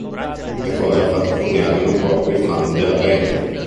La cosa ha fatto infuriare non poco i fan della band.